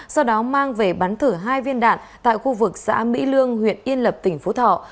sau đó mang về bắn thử hai viên đạn tại khu vực xã mỹ lương huyện yên lập tỉnh phú thọ